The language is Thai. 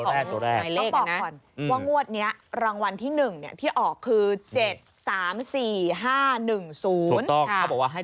เลข๗คือเลขตัวแรกของหมายเลขนะ